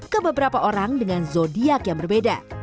ke beberapa orang dengan zodiac yang berbeda